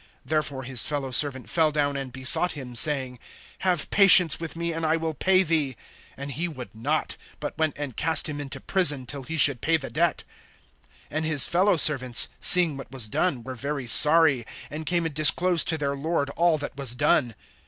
(29)Therefore his fellow servant fell down and besought him, saying: Have patience with me, and I will pay thee. (30)And he would not; but went and cast him into prison, till he should pay the debt. (31)And his fellow servants, seeing what was done, were very sorry, and came and disclosed to their lord all that was done.